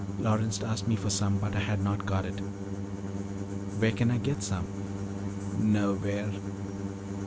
Lawrence asked me for some, but I had not got it. "Where can I get some?" "Nowhere."